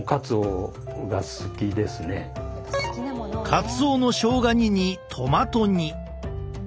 カツオのしょうが煮にトマト煮。